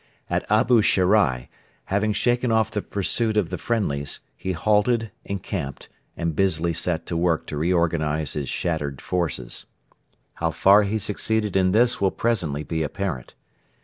At Abu Sherai, having shaken off the pursuit of the friendlies, he halted, encamped, and busily set to work to reorganise his shattered forces. How far he succeeded in this will presently be apparent.